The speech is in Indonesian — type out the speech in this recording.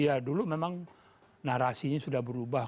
ya dulu memang narasinya sudah berubah